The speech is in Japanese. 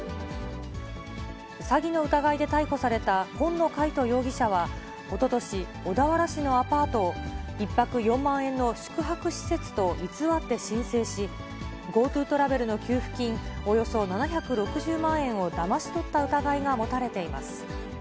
詐欺の疑いで逮捕された紺野海斗容疑者はおととし、小田原市のアパートを、１泊４万円の宿泊施設と偽って申請し、ＧｏＴｏトラベルの給付金およそ７６０万円をだまし取った疑いが持たれています。